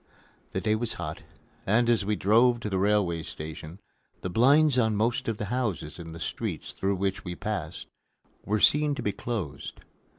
The day was hot, and, as we drove to the railway station, the blinds on most of the houses in the streets through which we passed were seen to be closed.